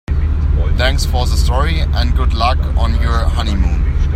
Thanks for the story and good luck on your honeymoon.